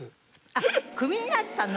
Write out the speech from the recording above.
あっクビになったの？